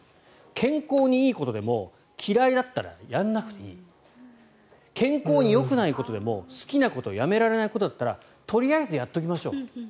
健康にいいことでも嫌いだったらやらなくていい健康によくないことでも好きなことやめられないことだったらとりあえずやっておきましょう。